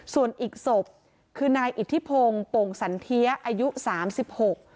ส่วนอีกศพคือนายอิทธิพงศ์โป่งสันเทียอายุสามสิบหก